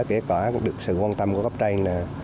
kể cả được sự quan tâm của góc trai